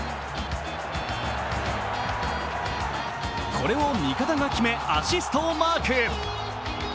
これを味方が決めアシストをマーク。